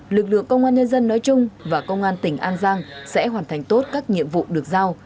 lực lượng công an nhân dân nói chung và công an tỉnh an giang sẽ hoàn thành tốt các nhiệm vụ được giao